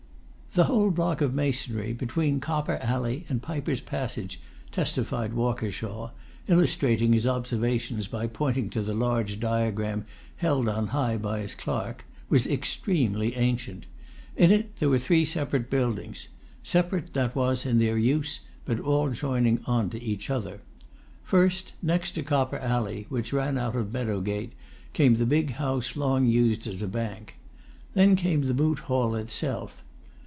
The whole block of masonry between Copper Alley and Piper's Passage, testified Walkershaw, illustrating his observations by pointing to the large diagram held on high by his clerk, was extremely ancient. In it there were three separate buildings separate, that was, in their use, but all joining on to each other. First, next to Copper Alley, which ran out of Meadow Gate, came the big house long used as a bank. Then came the Moot Hall itself.